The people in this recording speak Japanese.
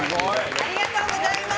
ありがとうございます！